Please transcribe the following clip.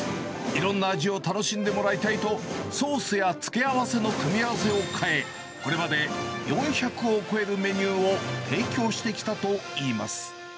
いろんな味を楽しんでもらいたいと、ソースや付け合わせの組み合わせを変え、これまで４００を超えるメニューを提供してきたといいます。